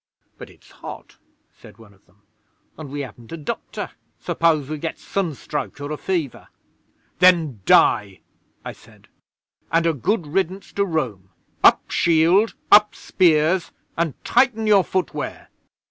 '"But it's hot," said one of them, "and we haven't a doctor. Suppose we get sunstroke, or a fever?" '"Then die," I said, "and a good riddance to Rome! Up shield up spears, and tighten your foot wear!"